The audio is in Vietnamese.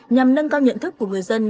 nhằm nâng cao nhận thức của người dân